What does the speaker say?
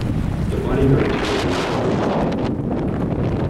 The bodyguard tells her not to go inside.